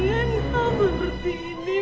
kak seperti ini